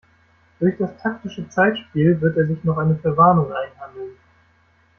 Durch das taktische Zeitspiel wird er sich noch eine Verwarnung einhandeln.